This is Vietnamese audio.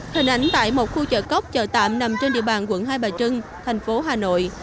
hình ảnh tại một khu chợ cóc chợ tạm nằm trên địa bàn quận hai bà trưng thành phố hà nội